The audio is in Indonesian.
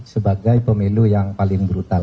sebagai pemilu yang paling brutal